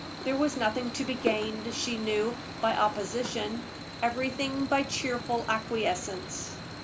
There was nothing to be gained, she knew, by opposition everything by cheerful acquiescence.